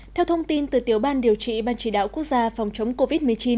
theo thông tin từ tiểu ban điều trị ban chỉ đạo quốc gia phòng chống covid một mươi chín